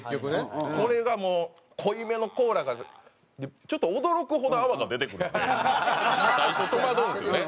これがもう濃いめのコーラがちょっと驚くほど泡が出てくるんで最初戸惑うんですよね。